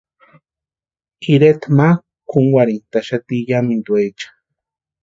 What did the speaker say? Ireta mákʼu kúnkwarhentʼaxati yámintuecha.